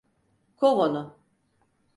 Kov onu!